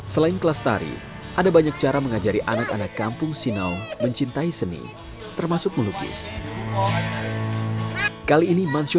selain kelas tari ada banyak cara mengajari anak anak kampung sinaw mencintai seni termasuk melukis